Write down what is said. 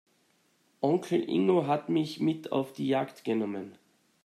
Onkel Ingo hat mich mit auf die Jagd genommen.